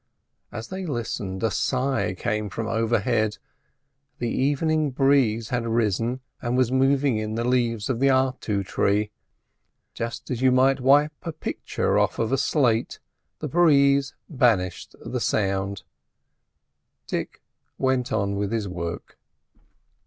As they listened, a sigh came from overhead; the evening breeze had risen and was moving in the leaves of the artu tree. Just as you might wipe a picture off a slate, the breeze banished the sound. Dick went on with his work.